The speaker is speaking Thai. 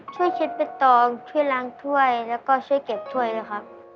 ช่วยเช็ดไปตองช่วยล้างถ้วยแล้วก็ช่วยเก็บถ้วยด้วยครับ